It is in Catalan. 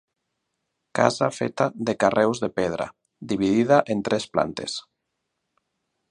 Casa feta de carreus de pedra, dividida en tres plantes.